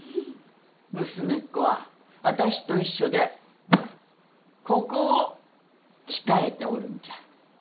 娘っ子は私と一緒でここを鍛えておるんじゃ。